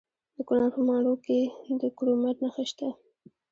د کونړ په ماڼوګي کې د کرومایټ نښې شته.